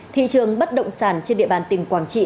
thị trường bất động sản trên địa bàn tỉnh quảng trị